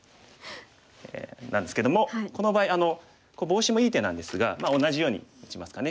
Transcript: なんですけどもこの場合ボウシもいい手なんですが同じように打ちますかね。